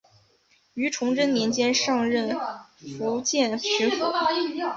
于崇祯年间上任福建巡抚。